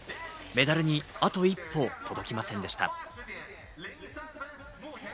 メダルにあと１歩、届きませんでした。